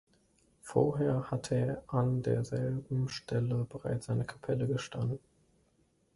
Vorher hatte an derselben Stelle bereits eine Kapelle gestanden.